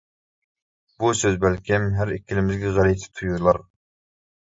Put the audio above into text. بۇ سۆز بەلكىم ھەر ئىككىلىمىزگە غەلىتە تۇيۇلار.